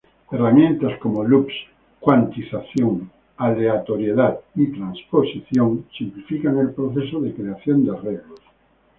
Herramientas como loops, cuantización, aleatoriedad y transposición simplifican el proceso de creación de arreglos.